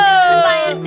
sudah mulai punah